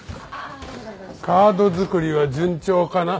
カード作りは順調かな？